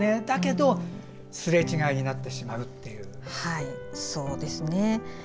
だけどすれ違いになってしまうっていう。